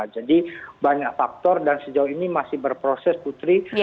jadi banyak faktor dan sejauh ini masih berproses putri